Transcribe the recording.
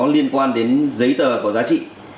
liên quan đến giấy tờ có giá trị